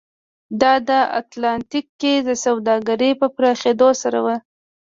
دا د اتلانتیک کې سوداګرۍ په پراخېدو سره و.